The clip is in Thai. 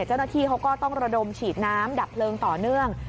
เจ้าหน้าที่เขาก็ต้องระดมฉีดน้ำดับเพลิงต่อเนื่อง